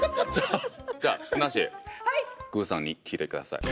じゃあふなっしー顧さんに聞いてください。